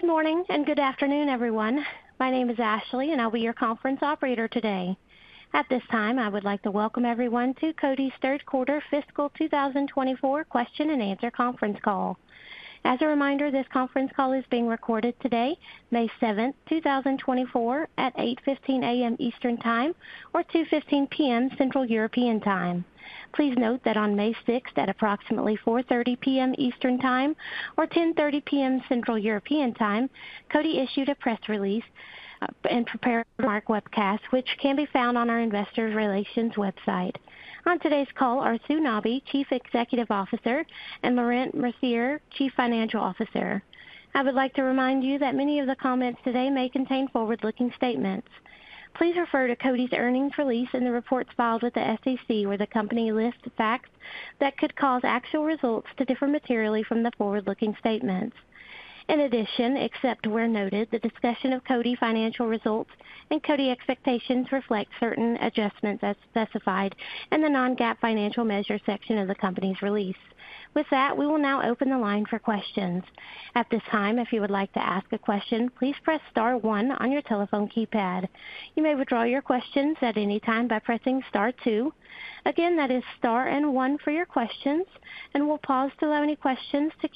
Good morning, and good afternoon, everyone. My name is Ashley, and I'll be your conference operator today. At this time, I would like to welcome everyone to Coty's third quarter fiscal 2024 question and answer conference call. As a reminder, this conference call is being recorded today, May 7, 2024, at 8:15 A.M. Eastern Time, or 2:15 P.M. Central European Time. Please note that on May 6, at approximately 4:30 P.M. Eastern Time or 10:30 P.M. Central European Time, Coty issued a press release and prepared webcast, which can be found on our investor relations website. On today's call are Sue Nabi, Chief Executive Officer, and Laurent Mercier, Chief Financial Officer. I would like to remind you that many of the comments today may contain forward-looking statements. Please refer to Coty's earnings release and the reports filed with the SEC, where the company lists facts that could cause actual results to differ materially from the forward-looking statements. In addition, except where noted, the discussion of Coty financial results and Coty expectations reflect certain adjustments as specified in the non-GAAP financial measure section of the company's release. With that, we will now open the line for questions. At this time, if you would like to ask a question, please press star one on your telephone keypad. You may withdraw your questions at any time by pressing star two. Again, that is star and one for your questions, and we'll pause to allow any questions to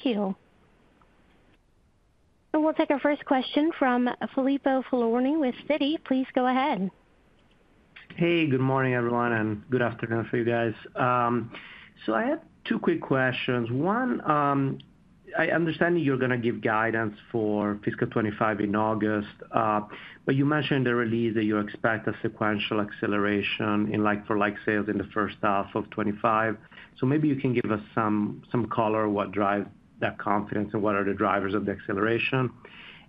queue. And we'll take our first question from Filippo Falorni with Citi. Please go ahead. Hey, good morning, everyone, and good afternoon for you guys. So I have two quick questions. One, I understand you're going to give guidance for fiscal 2025 in August, but you mentioned the release that you expect a sequential acceleration in like-for-like sales in the first half of 2025. So maybe you can give us some, some color, what drives that confidence and what are the drivers of the acceleration?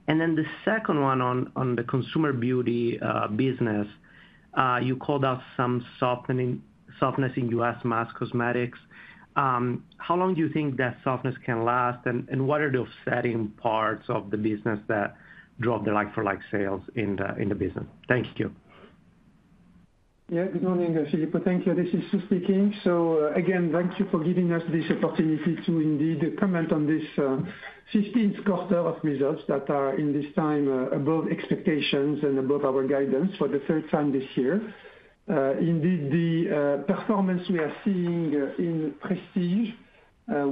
And then the second one on, on the Consumer Beauty business, you called out some softening – softness in U.S. mass cosmetics. How long do you think that softness can last? And what are those softest parts of the business that drop the like-for-like sales in the business? Thank you. Yeah, good morning, Filippo. Thank you. This is Sue speaking. So again, thank you for giving us this opportunity to indeed comment on this 15th quarter of results that are in this time above expectations and above our guidance for the third time this year. Indeed, the performance we are seeing in Prestige,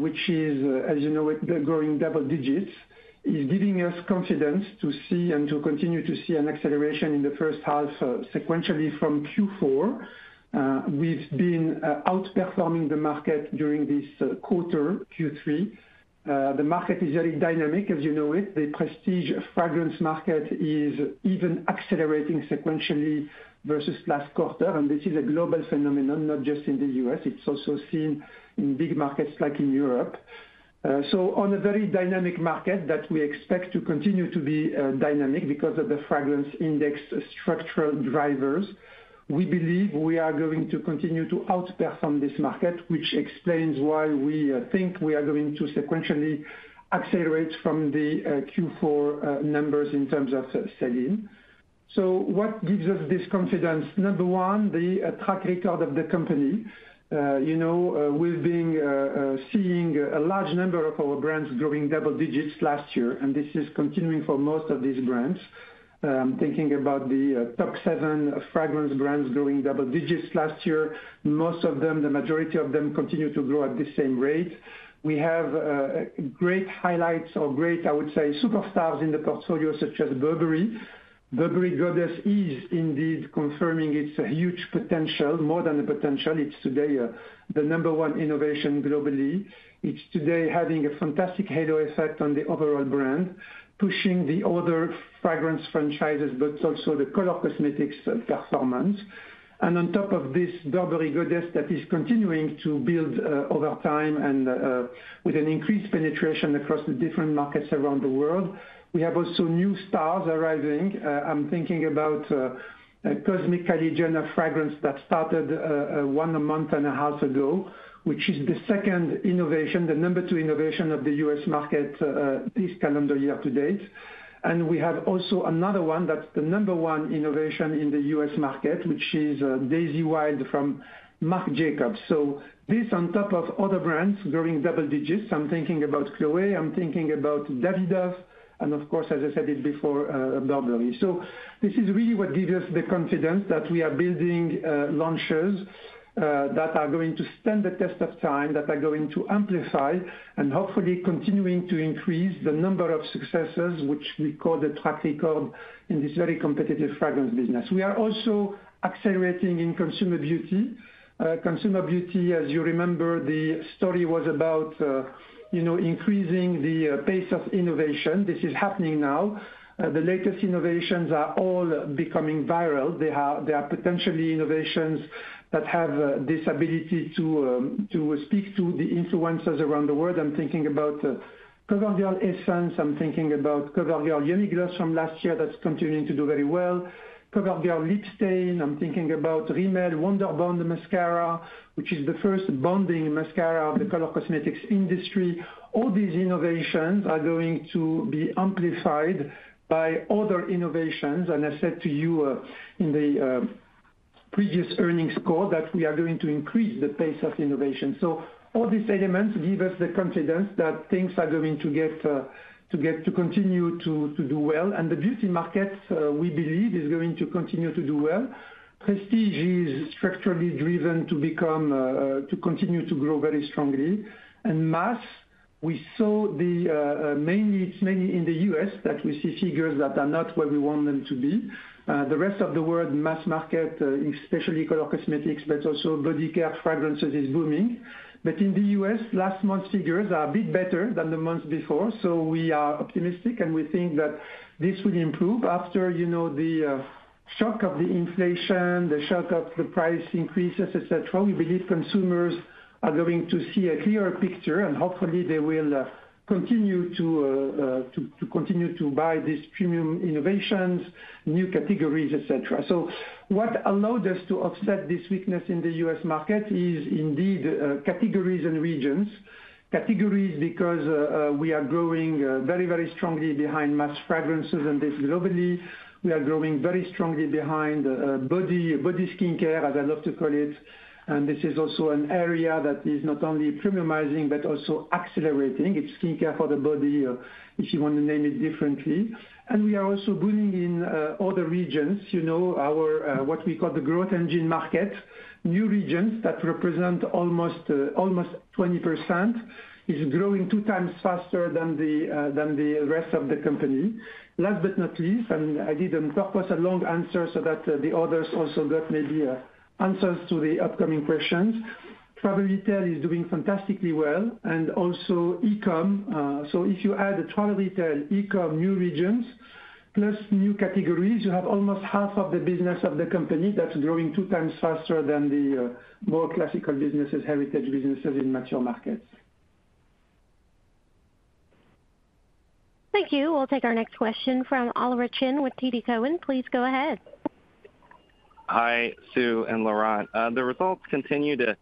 which is, as you know, growing double digits, is giving us confidence to see and to continue to see an acceleration in the first half sequentially from Q4. We've been outperforming the market during this quarter, Q3. The market is very dynamic, as you know it. The Prestige fragrance market is even accelerating sequentially versus last quarter, and this is a global phenomenon, not just in the U.S. It's also seen in big markets like in Europe. So on a very dynamic market that we expect to continue to be dynamic because of the fragrance index structural drivers, we believe we are going to continue to outperform this market, which explains why we think we are going to sequentially accelerate from the Q4 numbers in terms of selling. So what gives us this confidence? Number one, the track record of the company. You know, we've been seeing a large number of our brands growing double digits last year, and this is continuing for most of these brands. Thinking about the top seven fragrance brands growing double digits last year, most of them, the majority of them, continue to grow at the same rate. We have great highlights or great, I would say, superstars in the portfolio, such as Burberry. Burberry Goddess is indeed confirming its huge potential, more than a potential. It's today the number one innovation globally. It's today having a fantastic halo effect on the overall brand, pushing the other fragrance franchises, but also the color cosmetics performance. And on top of this, Burberry Goddess, that is continuing to build over time and with an increased penetration across the different markets around the world. We have also new stars arriving. I'm thinking about Cosmic Kylie Jenner fragrance that started one month and a half ago, which is the second innovation, the number two innovation of the U.S. market this calendar year to date. And we have also another one that's the number one innovation in the U.S. market, which is Daisy Wild from Marc Jacobs. So this on top of other brands growing double digits. I'm thinking about Chloé, I'm thinking about Davidoff, and of course, as I said it before, Burberry. So, this is really what gives us the confidence that we are building launches that are going to stand the test of time, that are going to amplify and hopefully continuing to increase the number of successes which we call the track record in this very competitive fragrance business. We are also accelerating in Consumer Beauty. Consumer Beauty, as you remember, the story was about, you know, increasing the pace of innovation. This is happening now. The latest innovations are all becoming viral. They are, they are potentially innovations that have this ability to, to speak to the influencers around the world. I'm thinking about CoverGirl Essence. I'm thinking about CoverGirl Yummy Gloss from last year, that's continuing to do very well. CoverGirl Lip Stain. I'm thinking about Rimmel Wonder'Bond Mascara, which is the first bonding mascara of the color cosmetics industry. All these innovations are going to be amplified by other innovations. And I said to you in the previous earnings call that we are going to increase the pace of innovation. So all these elements give us the confidence that things are going to get to continue to do well. And the beauty market we believe is going to continue to do well. Prestige is structurally driven to become to continue to grow very strongly. And mass, we saw the mainly, it's mainly in the U.S., that we see figures that are not where we want them to be. The rest of the world, mass market, especially color cosmetics, but also body care, fragrances, is booming. But in the US, last month's figures are a bit better than the months before, so we are optimistic, and we think that this will improve. After, you know, the shock of the inflation, the shock of the price increases, et cetera, we believe consumers are going to see a clearer picture, and hopefully they will continue to buy these premium innovations, new categories, et cetera. So what allowed us to offset this weakness in the U.S. market is indeed categories and regions. Categories, because we are growing very, very strongly behind mass fragrances, and this is globally. We are growing very strongly behind body skincare, as I love to call it, and this is also an area that is not only premiumizing, but also accelerating. It's skincare for the body, if you want to name it differently. And we are also booming in other regions, you know, our what we call the growth engine market. New regions that represent almost, almost 20%, is growing two times faster than the than the rest of the company. Last but not least, and I did purpose a long answer so that the others also got maybe answers to the upcoming questions. Travel retail is doing fantastically well, and also e-com. So if you add travel retail, e-com, new regions, plus new categories, you have almost half of the business of the company that's growing two times faster than the more classical businesses, heritage businesses in mature markets. Thank you. We'll take our next question from Oliver Chen with TD Cowen. Please go ahead. Hi, Sue and Laurent. The results continue to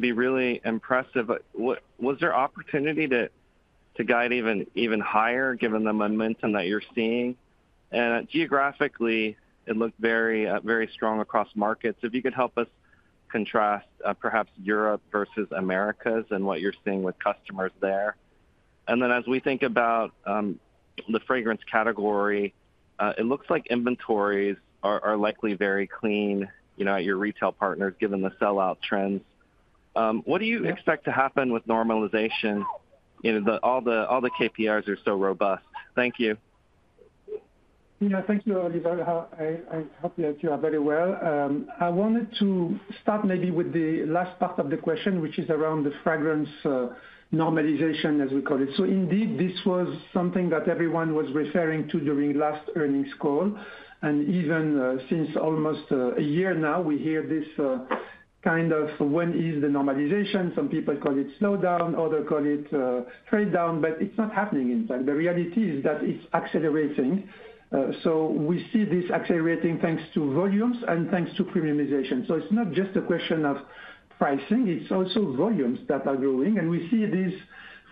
be really impressive. Was there opportunity to guide even higher, given the momentum that you're seeing? And geographically, it looked very, very strong across markets. If you could help us contrast, perhaps Europe versus Americas and what you're seeing with customers there. And then as we think about the fragrance category, it looks like inventories are likely very clean, you know, at your retail partners, given the sellout trends. What do you expect to happen with normalization? You know, all the KPIs are so robust. Thank you. Yeah, thank you, Oliver. I hope that you are very well. I wanted to start maybe with the last part of the question, which is around the fragrance normalization, as we call it. So indeed, this was something that everyone was referring to during last earnings call, and even since almost a year now, we hear this kind of when is the normalization? Some people call it slowdown, others call it trade down, but it's not happening in fact. The reality is that it's accelerating. So we see this accelerating thanks to volumes and thanks to premiumization. So it's not just a question of pricing, it's also volumes that are growing. And we see this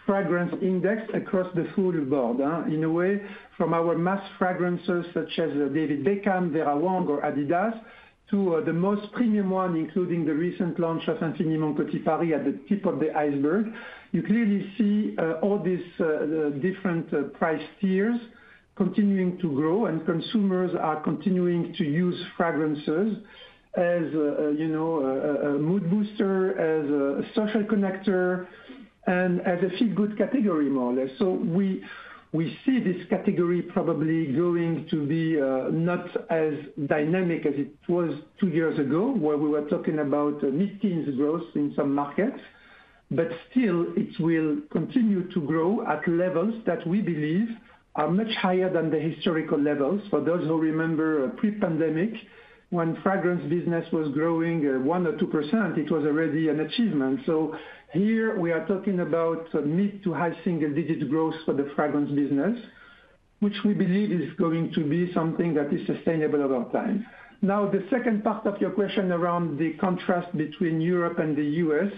fragrance index across the full board, in a way, from our mass fragrances such as David Beckham, Vera Wang or Adidas, to the most premium one, including the recent launch of Infiniment Coty Paris at the tip of the iceberg. You clearly see, all these, different price tiers continuing to grow, and consumers are continuing to use fragrances as a, you know, a, a mood booster, as a social connector, and as a feel-good category, more or less. So we, we see this category probably going to be, not as dynamic as it was two years ago, where we were talking about mid-teens growth in some markets, but still, it will continue to grow at levels that we believe are much higher than the historical levels. For those who remember pre-pandemic, when fragrance business was growing, one or two percent, it was already an achievement. So here we are talking about mid- to high-single-digit growth for the fragrance business, which we believe is going to be something that is sustainable over time. Now, the second part of your question around the contrast between Europe and the U.S..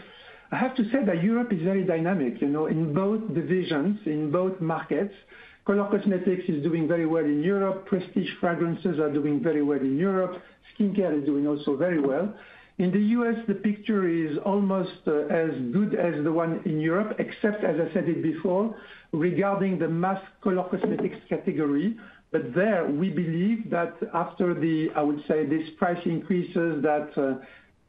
I have to say that Europe is very dynamic, you know, in both divisions, in both markets. Color cosmetics is doing very well in Europe. Prestige fragrances are doing very well in Europe. Skincare is doing also very well. In the U.S., the picture is almost, as good as the one in Europe, except, as I said it before, regarding the mass color cosmetics category. But there, we believe that after the, I would say, this price increases that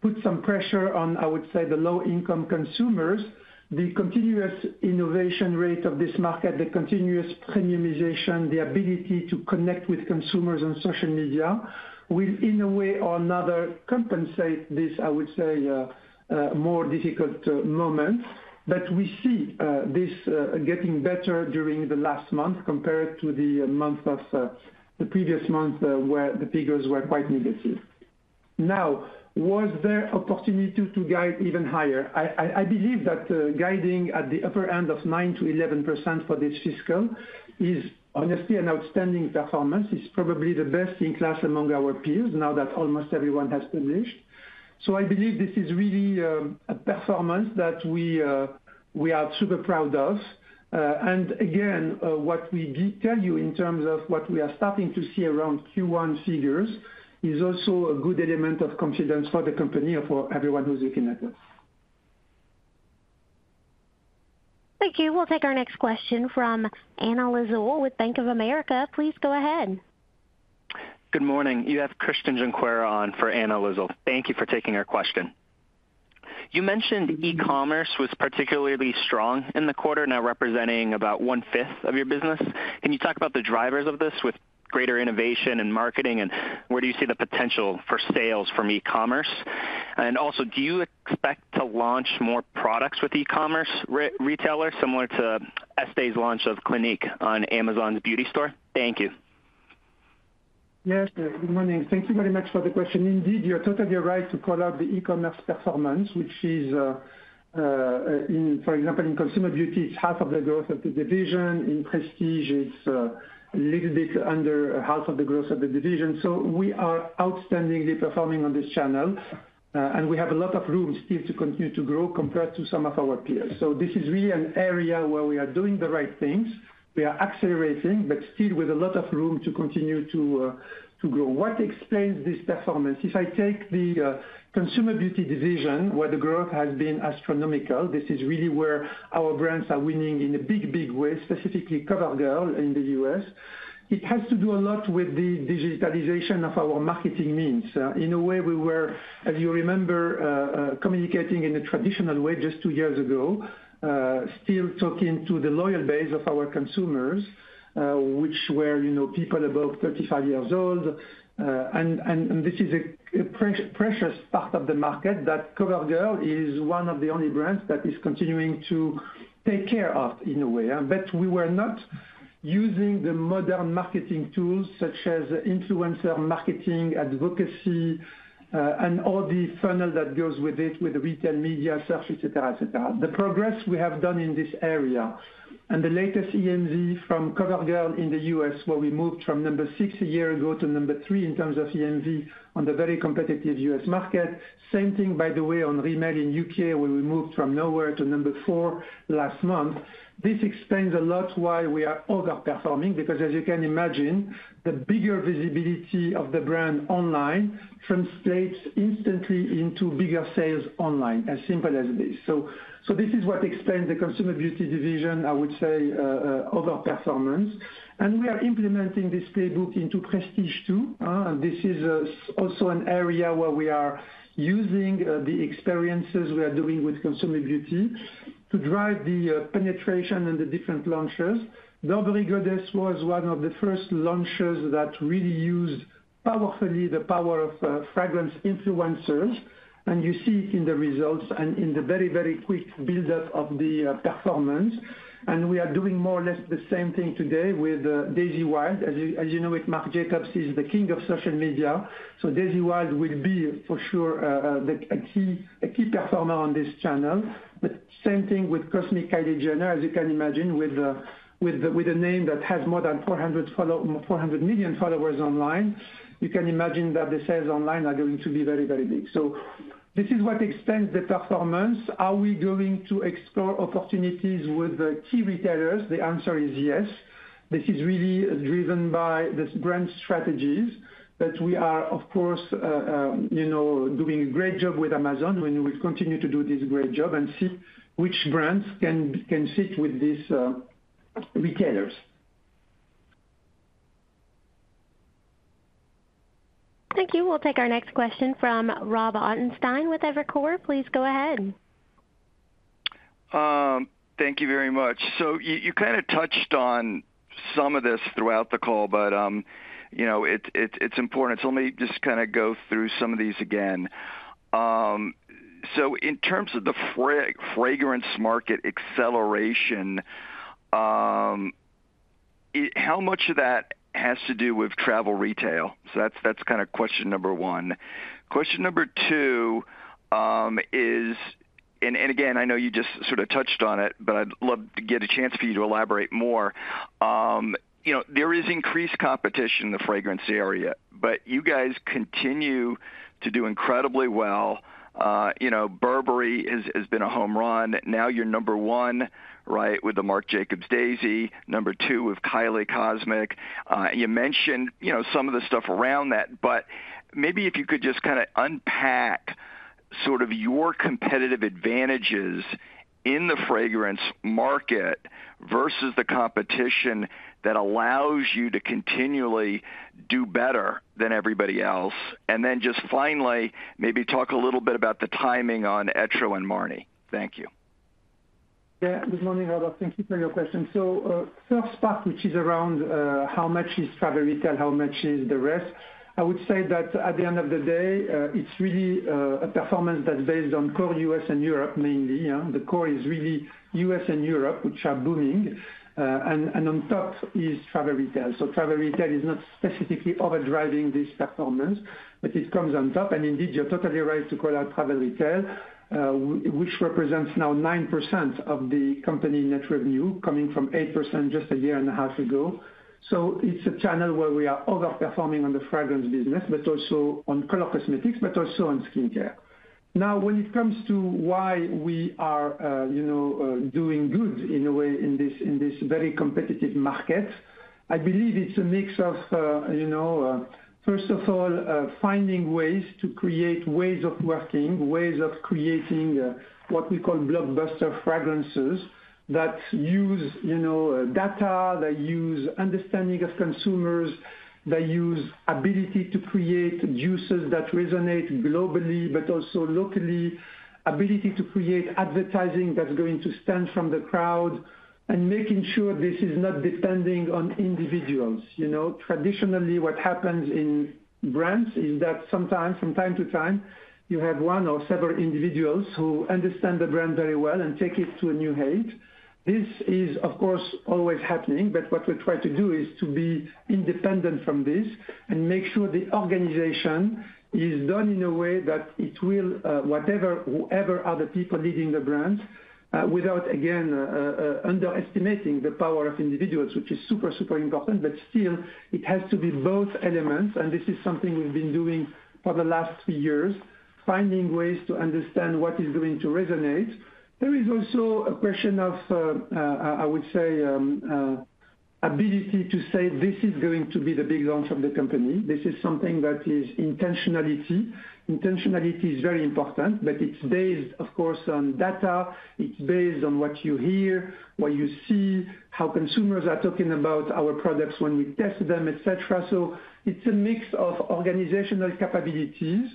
put some pressure on, I would say, the low-income consumers, the continuous innovation rate of this market, the continuous premiumization, the ability to connect with consumers on social media, will in a way or another compensate this, I would say, more difficult moment. But we see this getting better during the last month compared to the month of the previous month, where the figures were quite negative. Now, was there opportunity to guide even higher? I believe that guiding at the upper end of 9%-11% for this fiscal is honestly an outstanding performance. It's probably the best in class among our peers, now that almost everyone has published. So I believe this is really a performance that we are super proud of. And again, what we did tell you in terms of what we are starting to see around Q1 figures is also a good element of confidence for the company and for everyone who's looking at us. Thank you. We'll take our next question from Anna Lizzul with Bank of America. Please go ahead. Good morning! You have Christian Junquera on for Anna Lizzul. Thank you for taking our question. You mentioned e-commerce was particularly strong in the quarter, now representing about one-fifth of your business. Can you talk about the drivers of this with greater innovation and marketing, and where do you see the potential for sales from e-commerce? And also, do you expect to launch more products with e-commerce retailer, similar to Estée's launch of Clinique on Amazon's beauty store? Thank you. Yes, good morning. Thank you very much for the question. Indeed, you're totally right to call out the e-commerce performance, which is, for example, in Consumer Beauty, it's half of the growth of the division. In Prestige, it's a little bit under half of the growth of the division. So, we are outstandingly performing on this channel, and we have a lot of room still to continue to grow compared to some of our peers. So, this is really an area where we are doing the right things. We are accelerating, but still with a lot of room to continue to grow. What explains this performance? If I take the Consumer Beauty division, where the growth has been astronomical, this is really where our brands are winning in a big, big way, specifically CoverGirl in the U.S. It has to do a lot with the digitalization of our marketing means. In a way, we were, if you remember, communicating in a traditional way just two years ago, still talking to the loyal base of our consumers, which were, you know, people above 35 years old. And this is a precious part of the market, that CoverGirl is one of the only brands that is continuing to take care of, in a way. But we were not using the modern marketing tools such as influencer marketing, advocacy, and all the funnel that goes with it, with retail media, search, et cetera, et cetera. The progress we have done in this area and the latest EMV from CoverGirl in the U.S., where we moved from number six a year ago to number three in terms of EMV on the very competitive U.S. market. Same thing, by the way, on Rimmel in U.K., where we moved from nowhere to number four last month. This explains a lot why we are overperforming, because as you can imagine, the bigger visibility of the brand online translates instantly into bigger sales online, as simple as it is. So, so this is what explains the Consumer Beauty division, I would say, overperformance. And we are implementing this playbook into Prestige, too. This is also an area where we are using the experiences we are doing with Consumer Beauty to drive the penetration and the different launches. Dolce & Gabbana was one of the first launches that really used powerfully the power of, fragrance influencers, and you see it in the results and in the very, very quick buildup of the performance. And we are doing more or less the same thing today with, Daisy Wild. As you, as you know, with Marc Jacobs, he's the king of social media, so Daisy Wild will be, for sure, the, a key, a key performer on this channel. But same thing with Cosmic Kylie Jenner, as you can imagine, with, with the, with a name that has more than 400 million followers online, you can imagine that the sales online are going to be very, very big. So this is what explains the performance. Are we going to explore opportunities with the key retailers? The answer is yes. This is really driven by this brand strategies, but we are, of course, you know, doing a great job with Amazon, and we will continue to do this great job and see which brands can fit with these retailers. Thank you. We'll take our next question from Rob Ottenstein with Evercore. Please go ahead. Thank you very much. So, you kind of touched on some of this throughout the call, but you know, it's important. So, let me just kind of go through some of these again. So, in terms of the fragrance market acceleration, it... How much of that has to do with travel retail? So, that's kind of question number one. Question number two is, and again, I know you just sort of touched on it, but I'd love to get a chance for you to elaborate more. You know, there is increased competition in the fragrance area, but you guys continue to do incredibly well. You know, Burberry has been a home run. Now you're number one, right, with the Marc Jacobs Daisy, number two with Kylie Cosmic. You mentioned, you know, some of the stuff around that, but maybe if you could just kind of unpack sort of your competitive advantages in the fragrance market versus the competition that allows you to continually do better than everybody else. Then just finally, maybe talk a little bit about the timing on Etro and Marni. Thank you. Yeah, good morning, Robert. Thank you for your question. So, first part, which is around, how much is travel retail, how much is the rest? I would say that at the end of the day, it's really, a performance that's based on core U.S. and Europe, mainly. Yeah, the core is really U.S. and Europe, which are booming. And, on top is travel retail. So travel retail is not specifically over-driving this performance, but it comes on top. And indeed, you're totally right to call out travel retail, which represents now 9% of the company net revenue, coming from 8% just a year and a half ago. So it's a channel where we are overperforming on the fragrance business, but also on color cosmetics, but also on skincare. Now, when it comes to why we are, you know, doing good in a way, in this very competitive market, I believe it's a mix of, you know, first of all, finding ways to create ways of working, ways of creating, what we call blockbuster fragrances, that use, you know, data, they use understanding of consumers, they use ability to create juices that resonate globally, but also locally. Ability to create advertising that's going to stand out from the crowd, and making sure this is not depending on individuals. You know, traditionally, what happens in brands is that sometimes, from time to time, you have one or several individuals who understand the brand very well and take it to a new height. This is, of course, always happening, but what we try to do is to be independent from this and make sure the organization is done in a way that it will, whatever, whoever are the people leading the brand, without, again, underestimating the power of individuals, which is super, super important. But still, it has to be both elements, and this is something we've been doing for the last few years, finding ways to understand what is going to resonate. There is also a question of, I would say, ability to say, "This is going to be the big launch of the company." This is something that is intentionality. Intentionality is very important, but it's based, of course, on data. It's based on what you hear, what you see, how consumers are talking about our products when we test them, et cetera. So it's a mix of organizational capabilities,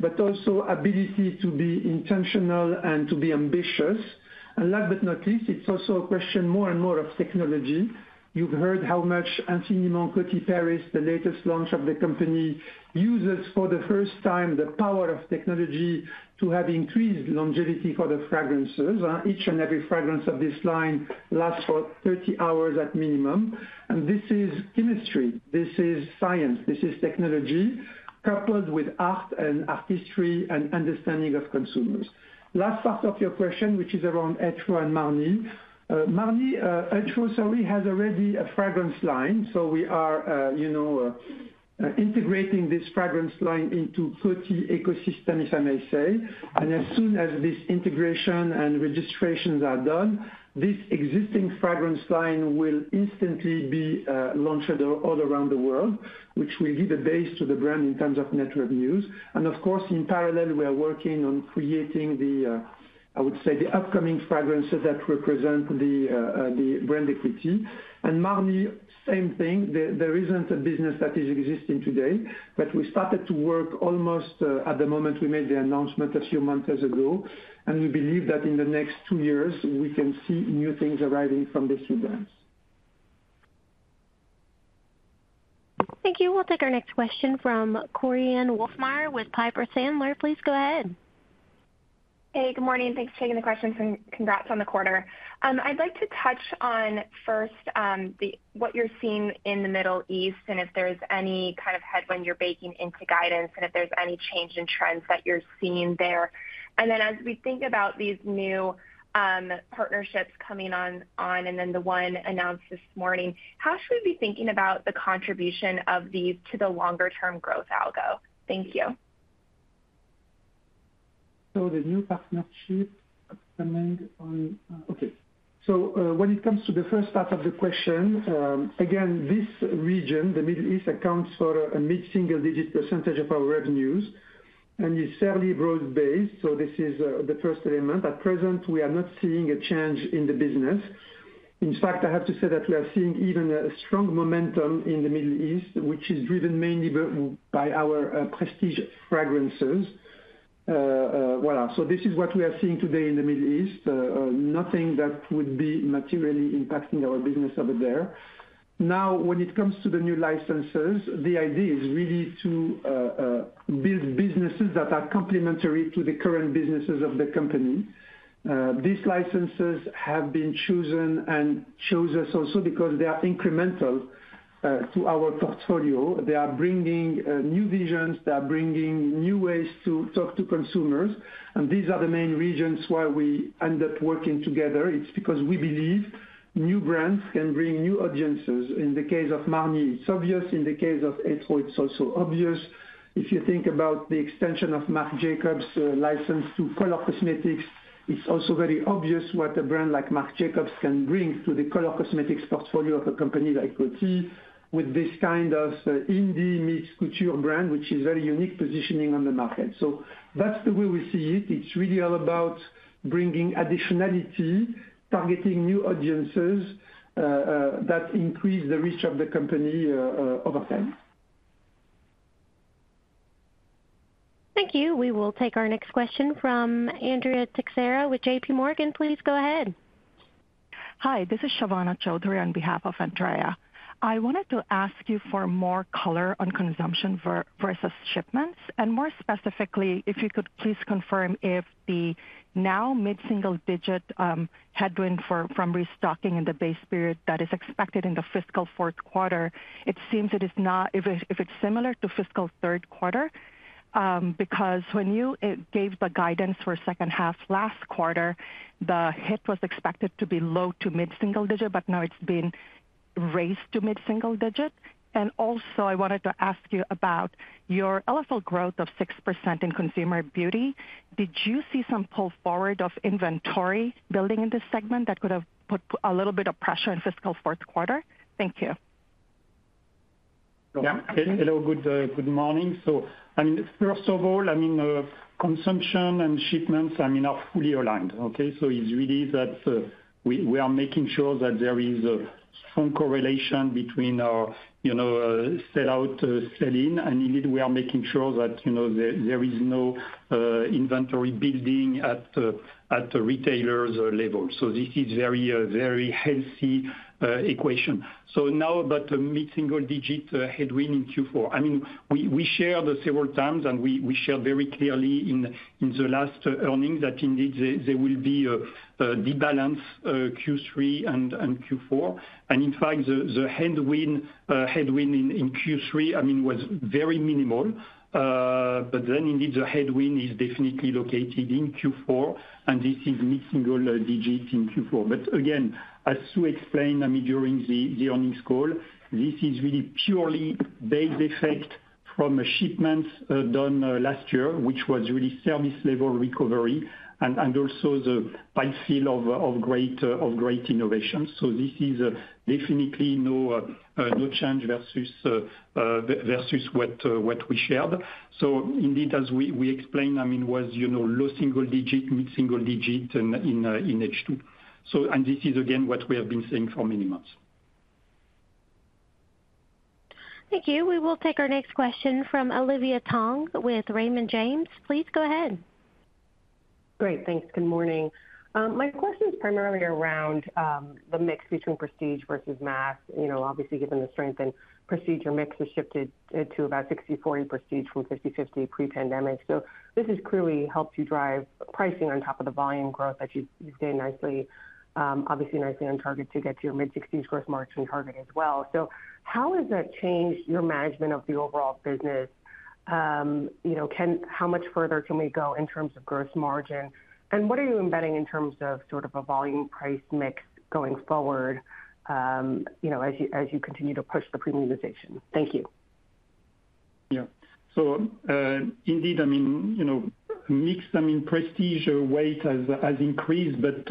but also ability to be intentional and to be ambitious. And last but not least, it's also a question more and more of technology. You've heard how much Infiniment Coty Paris, the latest launch of the company, uses for the first time, the power of technology to have increased longevity for the fragrances. Each and every fragrance of this line lasts for 30 hours at minimum. And this is chemistry, this is science, this is technology, coupled with art and artistry and understanding of consumers. Last part of your question, which is around Etro and Marni. Marni, Etro, sorry, has already a fragrance line, so we are, you know, integrating this fragrance line into Coty ecosystem, if I may say. And as soon as this integration and registrations are done, this existing fragrance line will instantly be launched all around the world, which will give a base to the brand in terms of net revenues. And of course, in parallel, we are working on creating the, I would say, the upcoming fragrances that represent the brand equity. And Marni, same thing. There isn't a business that is existing today, but we started to work almost at the moment we made the announcement a few months ago, and we believe that in the next two years, we can see new things arriving from these two brands. Thank you. We'll take our next question from Korinne Wolfmeyer with Piper Sandler. Please go ahead. Hey, good morning. Thanks for taking the questions, and congrats on the quarter. I'd like to touch on first, the what you're seeing in the Middle East, and if there's any kind of headwind you're baking into guidance, and if there's any change in trends that you're seeing there. And then as we think about these new partnerships coming on, and then the one announced this morning, how should we be thinking about the contribution of these to the longer term growth algo? Thank you. So, the new partnerships coming on... Okay. So, when it comes to the first part of the question, again, this region, the Middle East, accounts for a mid-single-digit % of our revenues and is fairly broad-based, so this is the first element. At present, we are not seeing a change in the business. In fact, I have to say that we are seeing even a strong momentum in the Middle East, which is driven mainly by, by our Prestige fragrances. Well, so this is what we are seeing today in the Middle East, nothing that would be materially impacting our business over there. Now, when it comes to the new licenses, the idea is really to build businesses that are complementary to the current businesses of the company. These licenses have been chosen and chose us also because they are incremental to our portfolio. They are bringing new visions, they are bringing new ways to talk to consumers, and these are the main reasons why we end up working together. It's because we believe new brands can bring new audiences. In the case of Marni, it's obvious. In the case of Etro, it's also obvious. If you think about the extension of Marc Jacobs' license to color cosmetics, it's also very obvious what a brand like Marc Jacobs can bring to the color cosmetics portfolio of a company like Coty, with this kind of indie meets couture brand, which is very unique positioning on the market. So that's the way we see it. It's really all about bringing additionality, targeting new audiences that increase the reach of the company over time.... Thank you. We will take our next question from Andrea Teixeira with JP Morgan. Please go ahead. Hi, this is Shovana Chowdhury on behalf of Andrea. I wanted to ask you for more color on consumption versus shipments, and more specifically, if you could please confirm if the now mid-single-digit headwind from restocking in the base period that is expected in the fiscal fourth quarter, if it's similar to fiscal third quarter. Because when you gave the guidance for second half last quarter, the hit was expected to be low- to mid-single-digit, but now it's been raised to mid-single-digit. And also, I wanted to ask you about your LFL growth of 6% in Consumer Beauty. Did you see some pull forward of inventory building in this segment that could have put a little bit of pressure in fiscal fourth quarter? Thank you. Yeah. Hello, good, good morning. So I mean, first of all, I mean, consumption and shipments, I mean, are fully aligned, okay? So it's really that, we, we are making sure that there is a strong correlation between our, you know, sell out, sell in, and indeed, we are making sure that, you know, there, there is no, inventory building at, at the retailers or level. So this is very, very healthy, equation. So now about the mid-single digit headwind in Q4. I mean, we, we share the several times, and we, we share very clearly in, in the last earnings, that indeed, there, there will be a, a deep balance, Q3 and, and Q4. And in fact, the, the headwind, headwind in, in Q3, I mean, was very minimal. But then indeed, the headwind is definitely located in Q4, and this is mid-single digits in Q4. But again, as Sue explained, I mean, during the earnings call, this is really purely base effect from shipments done last year, which was really service level recovery and also the pipeline fill of great innovation. So this is definitely no change versus what we shared. So indeed, as we explained, I mean, was, you know, low single digit, mid single digit in H2. So. This is again what we have been saying for many months. Thank you. We will take our next question from Olivia Tong with Raymond James. Please go ahead. Great. Thanks. Good morning. My question is primarily around the mix between prestige versus mass. You know, obviously, given the strength in Prestige, your mix has shifted to about 60/40 Prestige from 50/50 pre-pandemic. So this has clearly helped you drive pricing on top of the volume growth, that you've stayed nicely on target to get to your mid-60s gross margin target as well. So how has that changed your management of the overall business? You know, how much further can we go in terms of gross margin? And what are you embedding in terms of sort of a volume price mix going forward, you know, as you continue to push the premiumization? Thank you. Yeah. So, indeed, I mean, you know, mix, I mean, Prestige weight has increased, but,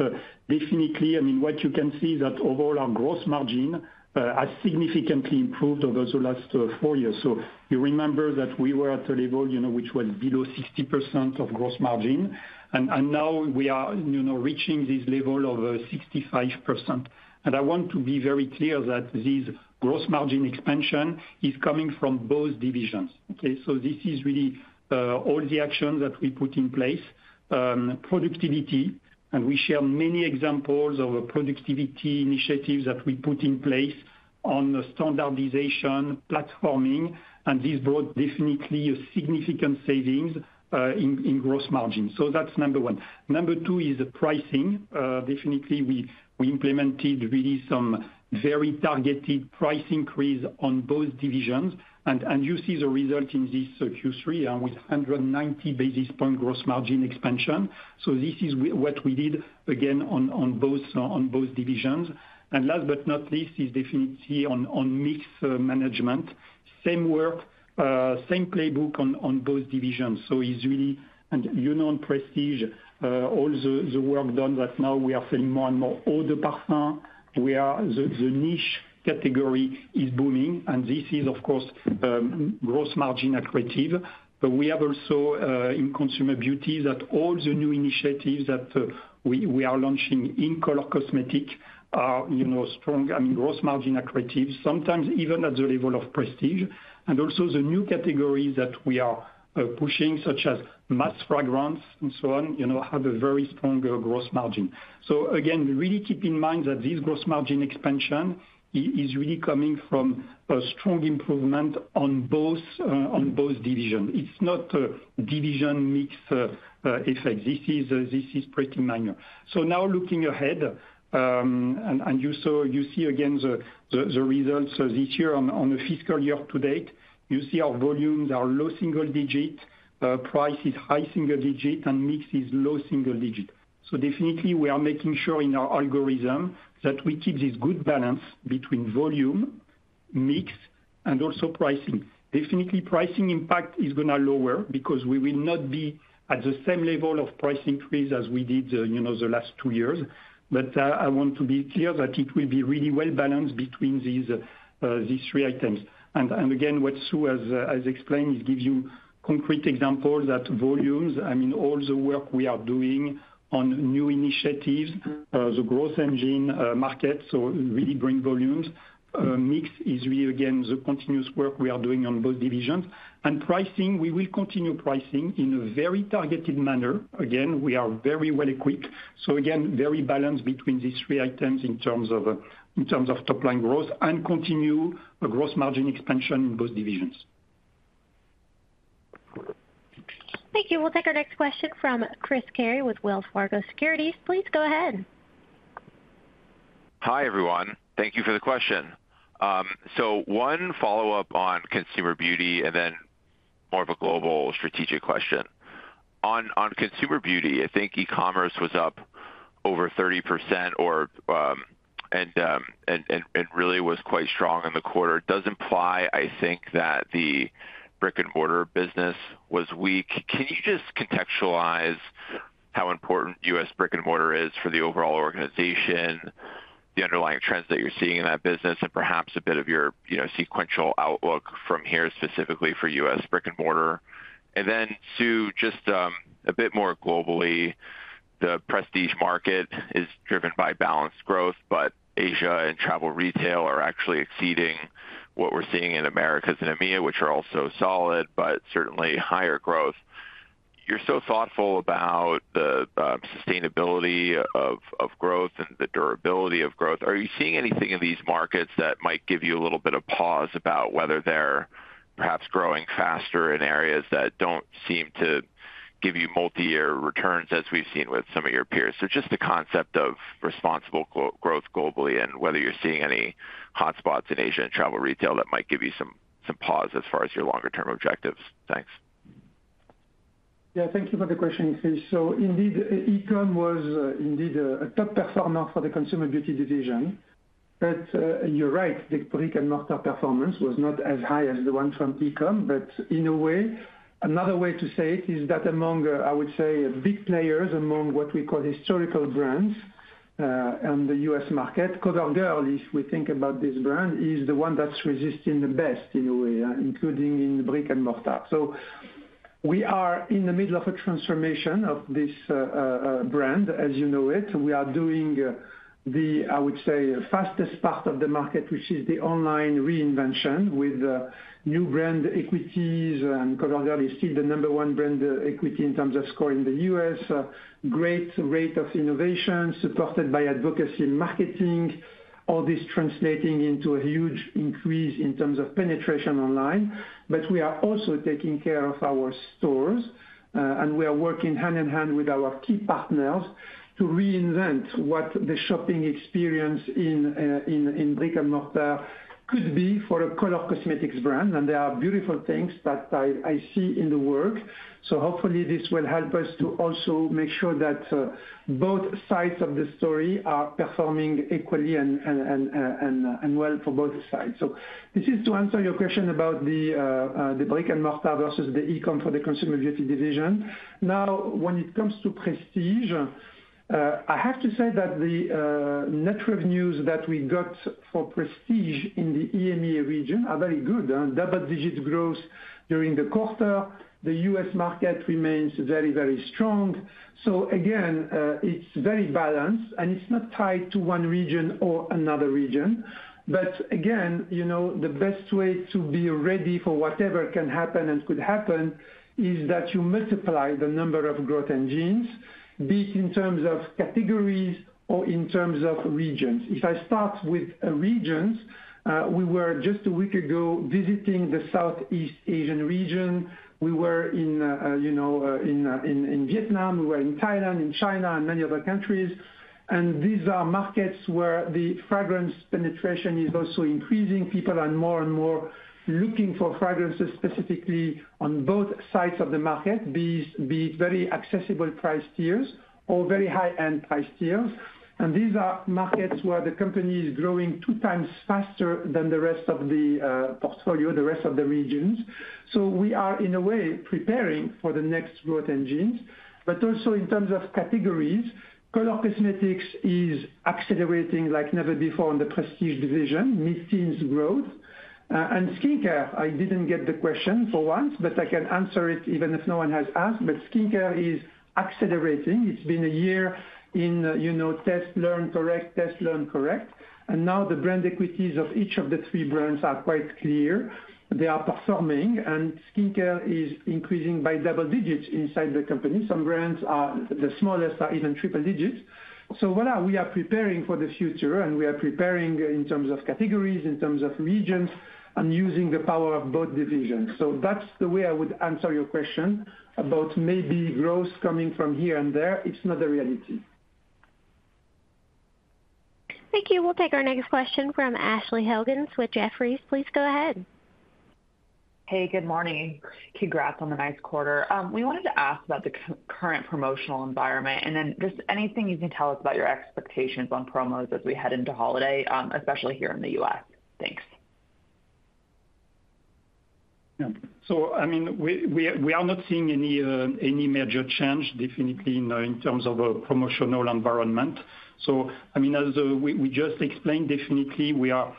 definitely, I mean, what you can see that overall our gross margin has significantly improved over the last four years. So you remember that we were at a level, you know, which was below 60% of gross margin, and now we are, you know, reaching this level of 65%. And I want to be very clear that this gross margin expansion is coming from both divisions, okay? So this is really all the actions that we put in place. Productivity, and we share many examples of productivity initiatives that we put in place on standardization, platforming, and this brought definitely a significant savings in gross margin. So that's number one. Number two is pricing. Definitely, we implemented really some very targeted price increase on both divisions, and you see the result in this Q3 with 190 basis point gross margin expansion. So this is what we did, again, on both divisions. And last but not least is definitely on mix management. Same work, same playbook on both divisions. So it's really... And, you know, in Prestige, all the work done that now we are selling more and more eau de parfum. We are the niche category is booming, and this is, of course, gross margin accretive. But we have also in Consumer Beauty that all the new initiatives that we are launching in color cosmetic are, you know, strong. I mean, gross margin accretive, sometimes even at the level of Prestige. And also, the new categories that we are pushing, such as mass fragrance and so on, you know, have a very stronger gross margin. So again, really keep in mind that this gross margin expansion is really coming from a strong improvement on both on both divisions. It's not a division mix effect. This is pretty minor. So now looking ahead, and you see again, the results this year on the fiscal year to date. You see our volumes are low single digit, price is high single digit, and mix is low single digit. So definitely we are making sure in our algorithm that we keep this good balance between volume, mix, and also pricing. Definitely, pricing impact is gonna lower because we will not be at the same level of price increase as we did, you know, the last two years. But, I want to be clear that it will be really well balanced between these three items. And, again, what Sue has explained, it gives you concrete example that volume- I mean, all the work we are doing on new initiatives, the growth engine, markets, so really bring volumes. Mix is really, again, the continuous work we are doing on both divisions. And pricing, we will continue pricing in a very targeted manner. Again, we are very well equipped, so again, very balanced between these three items in terms of, in terms of top line growth, and continue a growth margin expansion in both divisions. Thank you. We'll take our next question from Chris Carey with Wells Fargo Securities. Please go ahead. Hi, everyone. Thank you for the question. So, one follow-up on Consumer Beauty and then more of a global strategic question. On Consumer Beauty, I think e-commerce was up over 30% and really was quite strong in the quarter. It does imply, I think, that the brick-and-mortar business was weak. Can you just contextualize how important U.S. brick-and-mortar is for the overall organization, the underlying trends that you're seeing in that business, and perhaps a bit of your, you know, sequential outlook from here, specifically for U.S. brick-and-mortar? And then to just a bit more globally, the Prestige market is driven by balanced growth, but Asia and travel retail are actually exceeding what we're seeing in Americas and EMEA, which are also solid, but certainly higher growth. You're so thoughtful about the sustainability of growth and the durability of growth. Are you seeing anything in these markets that might give you a little bit of pause about whether they're perhaps growing faster in areas that don't seem to give you multi-year returns, as we've seen with some of your peers? So just the concept of responsible growth globally, and whether you're seeing any hotspots in Asia and travel retail that might give you some pause as far as your longer term objectives. Thanks. Yeah, thank you for the question, Chris. So indeed, e-com was indeed a top performer for the Consumer Beauty division. But, you're right, the brick-and-mortar performance was not as high as the one from e-com, but in a way, another way to say it is that among, I would say, big players, among what we call historical brands, on the U.S. market, CoverGirl, if we think about this brand, is the one that's resisting the best, in a way, including in brick-and-mortar. So we are in the middle of a transformation of this, brand, as you know it. We are doing, the, I would say, fastest part of the market, which is the online reinvention with, new brand equities, and CoverGirl is still the number one brand equity in terms of score in the U.S.. Great rate of innovation, supported by advocacy marketing, all this translating into a huge increase in terms of penetration online. But we are also taking care of our stores, and we are working hand-in-hand with our key partners to reinvent what the shopping experience in brick-and-mortar could be for a color cosmetics brand. And there are beautiful things that I see in the work. So hopefully this will help us to also make sure that both sides of the story are performing equally and well for both sides. So this is to answer your question about the brick-and-mortar versus the e-com for the Consumer Beauty division. Now, when it comes to Prestige, I have to say that the net revenues that we got for Prestige in the EMEA region are very good, and double-digit growth during the quarter. The US market remains very, very strong. So again, it's very balanced, and it's not tied to one region or another region. But again, you know, the best way to be ready for whatever can happen and could happen is that you multiply the number of growth engines, be it in terms of categories or in terms of regions. If I start with regions, we were just a week ago visiting the Southeast Asian region. We were in, you know, in, in Vietnam, we were in Thailand, in China, and many other countries. And these are markets where the fragrance penetration is also increasing. People are more and more looking for fragrances, specifically on both sides of the market, very accessible price tiers or very high-end price tiers. These are markets where the company is growing two times faster than the rest of the portfolio, the rest of the regions. So we are, in a way, preparing for the next growth engines, but also in terms of categories, color cosmetics is accelerating like never before in the Prestige division, mid-teens growth. And skincare, I didn't get the question for once, but I can answer it even if no one has asked, but skincare is accelerating. It's been a year in, you know, test, learn, correct, test, learn, correct. And now the brand equities of each of the three brands are quite clear. They are performing, and skincare is increasing by double digits inside the company. Some brands are... The smallest are even triple digits. Voilà, we are preparing for the future, and we are preparing in terms of categories, in terms of regions, and using the power of both divisions. That's the way I would answer your question about maybe growth coming from here and there. It's not the reality. Thank you. We'll take our next question from Ashley Helgans with Jefferies. Please go ahead. Hey, good morning. Congrats on the nice quarter. We wanted to ask about the current promotional environment, and then just anything you can tell us about your expectations on promos as we head into holiday, especially here in the U.S. Thanks. ... Yeah. So I mean, we are not seeing any major change definitely in terms of promotional environment. So I mean, as we just explained, definitely we are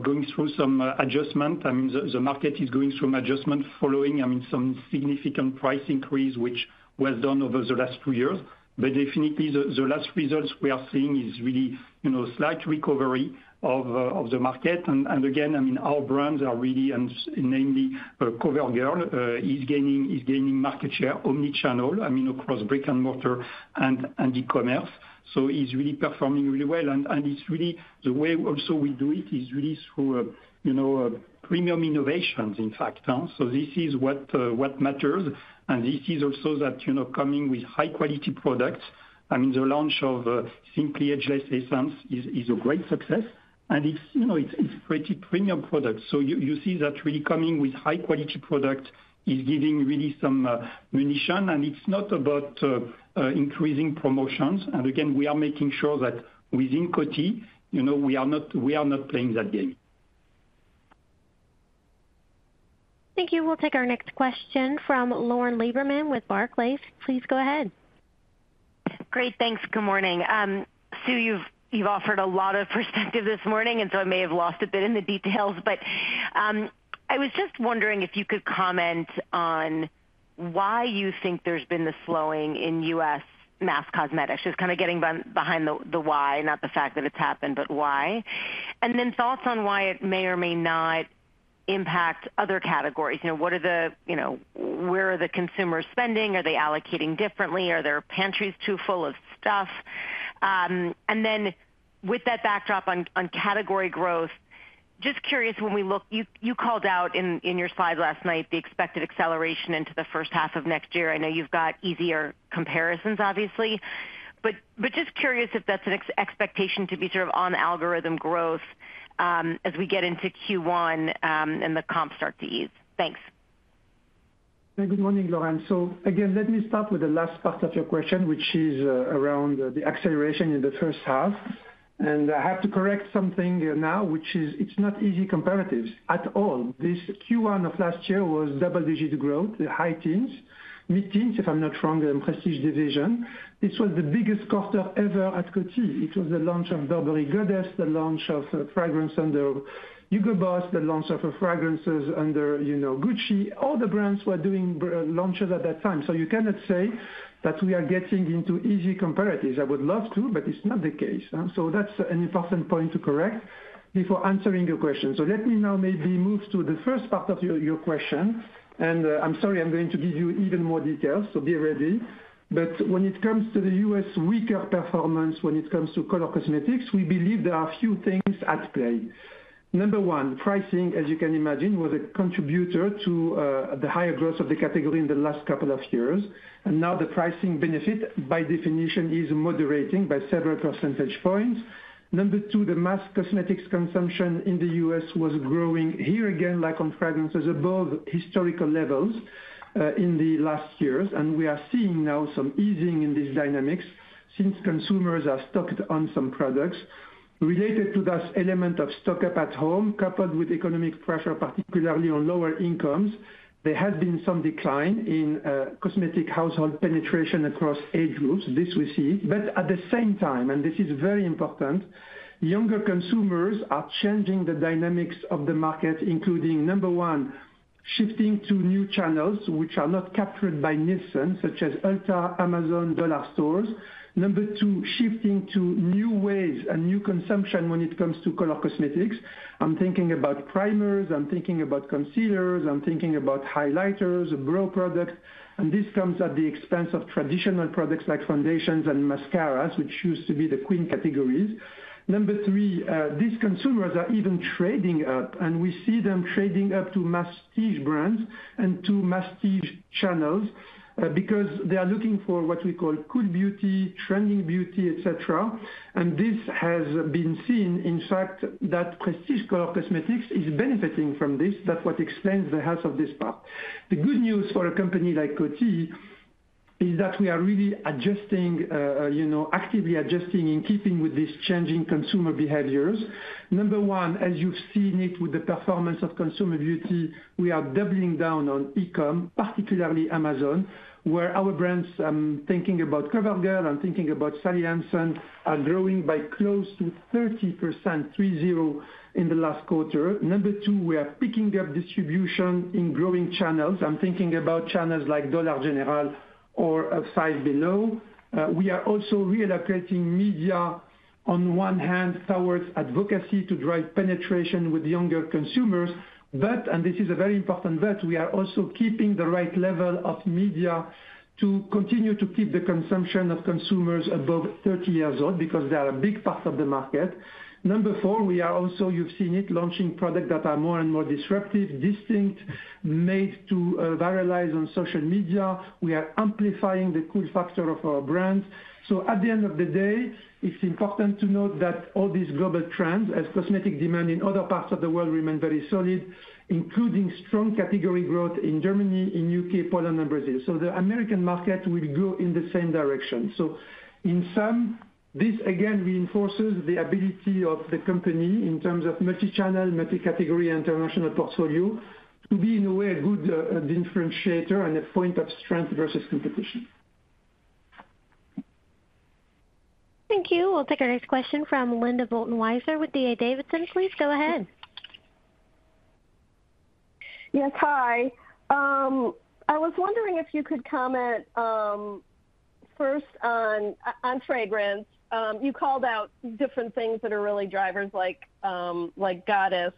going through some adjustment. I mean, the market is going through adjustment following, I mean, some significant price increase, which was done over the last two years. But definitely the last results we are seeing is really, you know, slight recovery of the market. And again, I mean, our brands are really, and namely, CoverGirl, is gaining market share, omni-channel, I mean, across brick-and-mortar and e-commerce. So is really performing really well. And it's really the way also we do it is really through, you know, premium innovations, in fact. So this is what matters, and this is also that, you know, coming with high quality products. I mean, the launch of Simply Ageless Essence is a great success, and it's, you know, it's pretty premium product. So you see that really coming with high quality product is giving really some ammunition, and it's not about increasing promotions. And again, we are making sure that within Coty, you know, we are not playing that game. Thank you. We'll take our next question from Lauren Lieberman with Barclays. Please go ahead. Great, thanks. Good morning. Sue, you've offered a lot of perspective this morning, and so I may have lost a bit in the details. But, I was just wondering if you could comment on why you think there's been the slowing in U.S. mass cosmetics? Just kind of getting behind the why, not the fact that it's happened, but why. And then thoughts on why it may or may not impact other categories. You know, where are the consumers spending? Are they allocating differently? Are their pantries too full of stuff? And then with that backdrop on category growth, just curious, when we look... You called out in your slide last night the expected acceleration into the first half of next year. I know you've got easier comparisons, obviously, but just curious if that's an expectation to be sort of on organic growth, as we get into Q1, and the comps start to ease. Thanks. Good morning, Lauren. So again, let me start with the last part of your question, which is around the acceleration in the first half. And I have to correct something now, which is it's not easy comparatives at all. This Q1 of last year was double-digit growth, the high teens, mid-teens, if I'm not wrong, in Prestige division. This was the biggest quarter ever at Coty. It was the launch of Burberry Goddess, the launch of fragrance under Hugo Boss, the launch of fragrances under, you know, Gucci. All the brands were doing launches at that time. So you cannot say that we are getting into easy comparatives. I would love to, but it's not the case, so that's an important point to correct before answering your question. So let me now maybe move to the first part of your, your question, and, I'm sorry, I'm going to give you even more details, so be ready. But when it comes to the U.S. weaker performance, when it comes to color cosmetics, we believe there are a few things at play. Number one, pricing, as you can imagine, was a contributor to the higher growth of the category in the last couple of years, and now the pricing benefit, by definition, is moderating by several percentage points. Number two, the mass cosmetics consumption in the U.S. was growing, here again, like on fragrances, above historical levels in the last years, and we are seeing now some easing in these dynamics since consumers are stocked on some products. Related to that element of stock-up at home, coupled with economic pressure, particularly on lower incomes, there has been some decline in cosmetic household penetration across age groups. This we see, but at the same time, and this is very important, younger consumers are changing the dynamics of the market, including, number one, shifting to new channels which are not captured by Nielsen, such as Ulta, Amazon, dollar stores. Number two, shifting to new ways and new consumption when it comes to color cosmetics. I'm thinking about primers, I'm thinking about concealers, I'm thinking about highlighters, glow products, and this comes at the expense of traditional products like foundations and mascaras, which used to be the queen categories. Number three, these consumers are even trading up, and we see them trading up to masstige brands and to masstige channels, because they are looking for what we call cool beauty, trending beauty, et cetera. And this has been seen, in fact, that Prestige color cosmetics is benefiting from this. That's what explains the health of this part. The good news for a company like Coty is that we are really adjusting, you know, actively adjusting in keeping with these changing consumer behaviors. Number one, as you've seen it with the performance of consumer beauty, we are doubling down on e-com, particularly Amazon, where our brands, I'm thinking about CoverGirl, I'm thinking about Sally Hansen, are growing by close to 30%, three zero, in the last quarter. Number two, we are picking up distribution in growing channels. I'm thinking about channels like Dollar General or Five Below. We are also reallocating media, on one hand, towards advocacy to drive penetration with younger consumers. But, and this is a very important but, we are also keeping the right level of media to continue to keep the consumption of consumers above 30 years old, because they are a big part of the market. Number four, we are also, you've seen it, launching products that are more and more disruptive, distinct, made to viralize on social media. We are amplifying the cool factor of our brands. So at the end of the day, it's important to note that all these global trends, as cosmetic demand in other parts of the world remain very solid, including strong category growth in Germany, in U.K., Poland and Brazil. So the American market will grow in the same direction. In sum, this again reinforces the ability of the company in terms of multi-channel, multi-category, international portfolio, to be in a way, a good differentiator and a point of strength versus competition. Thank you. We'll take our next question from Linda Bolton Weiser with D.A. Davidson. Please go ahead. Yes, hi. I was wondering if you could comment first on fragrance. You called out different things that are really drivers like Goddess,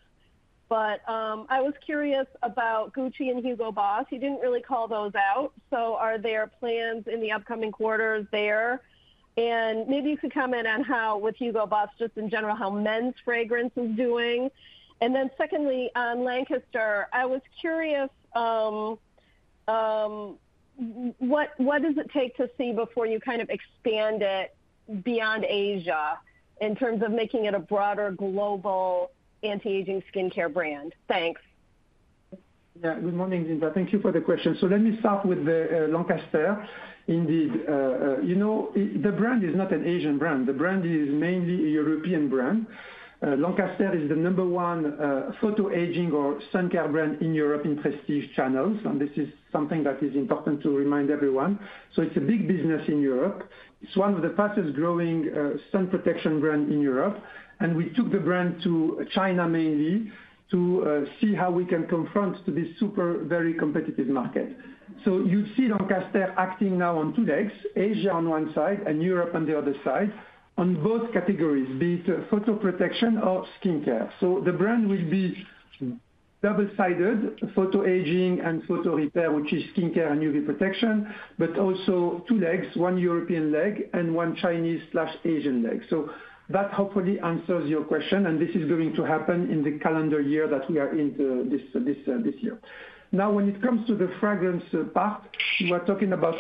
but I was curious about Gucci and Hugo Boss. You didn't really call those out, so are there plans in the upcoming quarters there? And maybe you could comment on how with Hugo Boss, just in general, how men's fragrance is doing. And then secondly, Lancaster, I was curious what does it take to see before you kind of expand it beyond Asia in terms of making it a broader global anti-aging skincare brand? Thanks. Yeah, good morning, Linda. Thank you for the question. So let me start with the Lancaster. Indeed, you know, the brand is not an Asian brand. The brand is mainly a European brand. Lancaster is the number one photoaging or sun care brand in Europe in Prestige channels, and this is something that is important to remind everyone. So it's a big business in Europe. It's one of the fastest growing sun protection brand in Europe, and we took the brand to China mainly to see how we can confront to this super, very competitive market. So you see Lancaster acting now on two legs, Asia on one side and Europe on the other side, on both categories, be it photo protection or skincare. So the brand will be double-sided, photoaging and photorepair, which is skincare and UV protection, but also two legs, one European leg and one Chinese/Asian leg. So that hopefully answers your question, and this is going to happen in the calendar year that we are in, this year. Now, when it comes to the fragrance part, we are talking about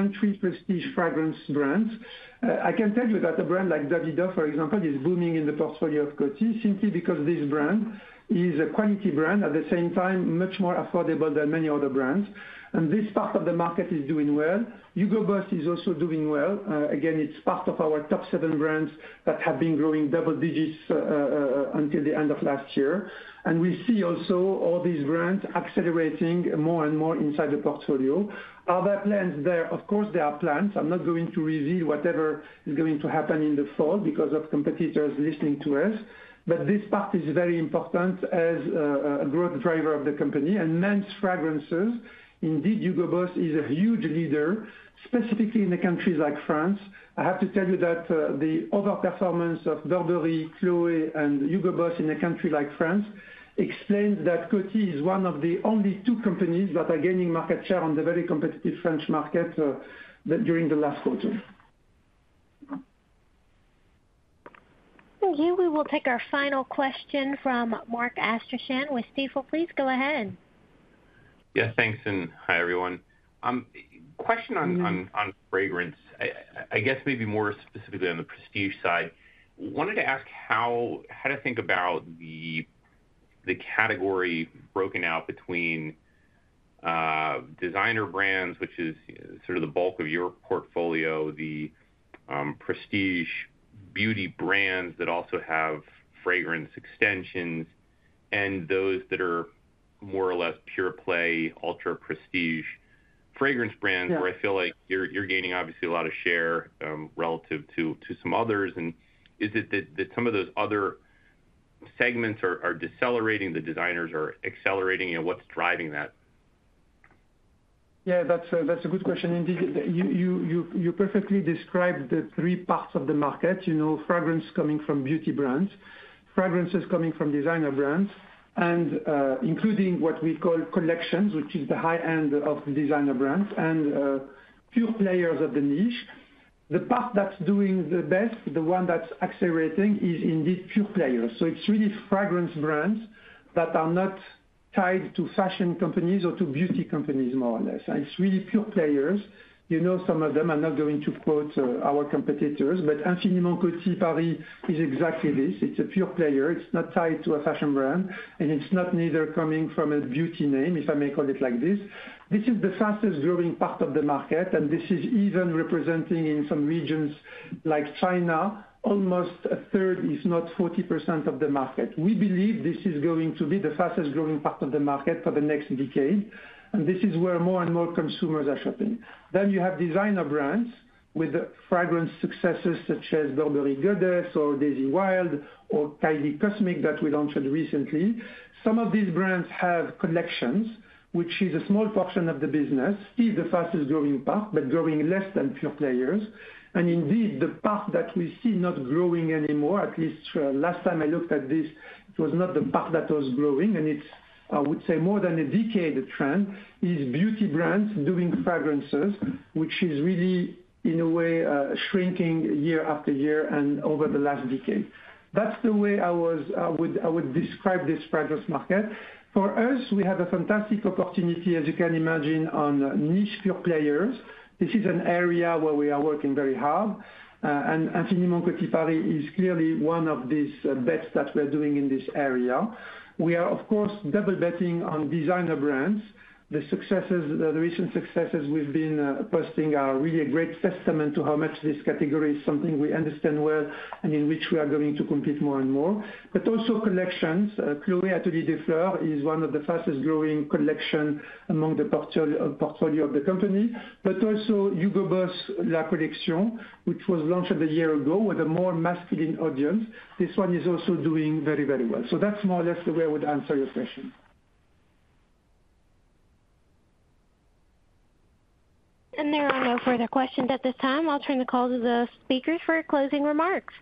entry Prestige fragrance brands. I can tell you that a brand like Davidoff, for example, is booming in the portfolio of Coty simply because this brand is a quality brand, at the same time, much more affordable than many other brands. And this part of the market is doing well. Hugo Boss is also doing well. Again, it's part of our top seven brands that have been growing double digits until the end of last year. We see also all these brands accelerating more and more inside the portfolio. Are there plans there? Of course, there are plans. I'm not going to reveal whatever is going to happen in the fall because of competitors listening to us, but this part is very important as a growth driver of the company and men's fragrances. Indeed, Hugo Boss is a huge leader, specifically in the countries like France. I have to tell you that the overperformance of Burberry, Chloé, and Hugo Boss in a country like France explains that Coty is one of the only two companies that are gaining market share on the very competitive French market during the last quarter. Thank you. We will take our final question from Mark Astrachan with Stifel. Please go ahead. Yes, thanks, and hi, everyone. Question on fragrance. I guess maybe more specifically on the Prestige side. Wanted to ask how to think about the category broken out between designer brands, which is sort of the bulk of your portfolio, the Prestige beauty brands that also have fragrance extensions, and those that are more or less pure play, ultra Prestige fragrance brands- Yeah. Where I feel like you're gaining obviously a lot of share, relative to some others. And is it that some of those other segments are decelerating, the designers are accelerating, and what's driving that? Yeah, that's a good question. Indeed, you perfectly described the three parts of the market. You know, fragrances coming from beauty brands, fragrances coming from designer brands, and including what we call collections, which is the high end of the designer brands and few players of the niche. The part that's doing the best, the one that's accelerating, is indeed pure players. So it's really fragrance brands that are not tied to fashion companies or to beauty companies, more or less, and it's really pure players. You know, some of them, I'm not going to quote our competitors, but Infiniment Coty Paris is exactly this. It's a pure player. It's not tied to a fashion brand, and it's not neither coming from a beauty name, if I may call it like this. This is the fastest growing part of the market, and this is even representing in some regions like China, almost a third, if not 40% of the market. We believe this is going to be the fastest growing part of the market for the next decade, and this is where more and more consumers are shopping. Then you have designer brands with fragrance successes such as Burberry Goddess or Daisy Wild or Kylie Cosmic, that we launched recently. Some of these brands have collections, which is a small portion of the business, still the fastest growing part, but growing less than pure players. Indeed, the part that we see not growing anymore, at least last time I looked at this, it was not the part that was growing, and it's I would say more than a decade trend, is beauty brands doing fragrances, which is really, in a way, shrinking year after year and over the last decade. That's the way I would describe this fragrance market. For us, we have a fantastic opportunity, as you can imagine, on niche pure plays. This is an area where we are working very hard, and Infiniment Coty Paris is clearly one of these bets that we're doing in this area. We are, of course, double betting on designer brands. The successes, the recent successes we've been posting are really a great testament to how much this category is something we understand well and in which we are going to compete more and more. But also, collections, Chloé Atelier des Fleurs is one of the fastest growing collections among the portfolio of the company, but also Hugo Boss La Collection, which was launched a year ago with a more masculine audience. This one is also doing very, very well. So that's more or less the way I would answer your question. There are no further questions at this time. I'll turn the call to the speakers for closing remarks.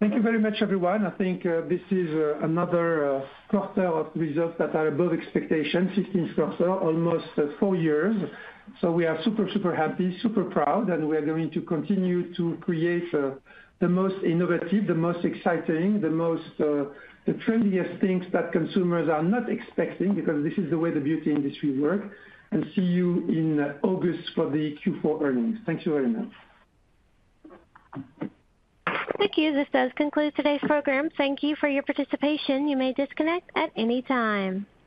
Thank you very much, everyone. I think, this is another quarter of results that are above expectations, sixteenth quarter, almost four years. So we are super, super happy, super proud, and we are going to continue to create, the most innovative, the most exciting, the most, the trendiest things that consumers are not expecting, because this is the way the beauty industry work. And see you in August for the Q4 earnings. Thank you very much. Thank you. This does conclude today's program. Thank you for your participation. You may disconnect at any time.